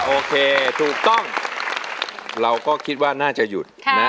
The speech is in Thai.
โอเคถูกต้องเราก็คิดว่าน่าจะหยุดนะ